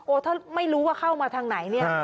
ถ้าไม่รู้ว่าเข้ามาทางไหนเนี่ย